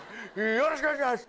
よろしくお願いします！